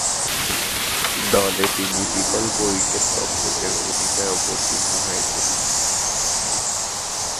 দলে তিনি বিকল্প উইকেট-রক্ষকের ভূমিকায় অবতীর্ণ হয়েছিলেন।